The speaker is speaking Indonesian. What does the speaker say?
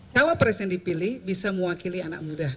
cawa presiden dipilih bisa mewakili anak muda